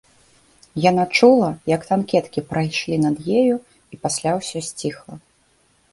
Яна чула, як танкеткі прайшлі над ёю і пасля ўсё сціхла.